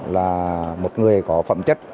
là một người có phẩm chất